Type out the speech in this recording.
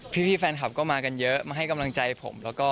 พี่ฟาญคับก็มากันเยอะมาให้กำลังใจผม